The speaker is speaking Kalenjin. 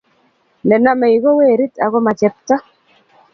Nenomei ko werit ako ma chepto